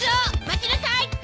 待ちなさい！